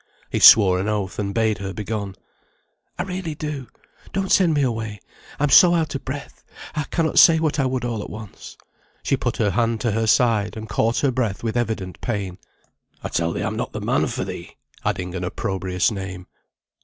He swore an oath, and bade her begone. "I really do. Don't send me away. I'm so out of breath, I cannot say what I would all at once." She put her hand to her side, and caught her breath with evident pain. "I tell thee I'm not the man for thee," adding an opprobrious name.